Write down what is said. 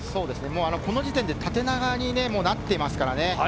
この時点で縦長にもうなっていますからね。